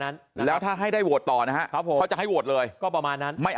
นั้นแล้วถ้าให้ได้โหวตต่อนะครับผมเขาจะให้โหวตเลยก็ประมาณนั้นไม่เอา